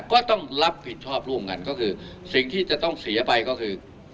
ก็ต้องรับผิดชอบร่วมกันก็คือสิ่งที่จะต้องเสียไปก็คือ